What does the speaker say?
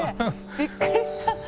びっくりした。